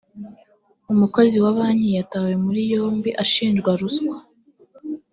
umukozi wa banki yatawe muri yomi ashijwa ruswa